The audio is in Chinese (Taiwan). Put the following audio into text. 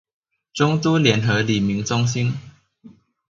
中都聯合里民中心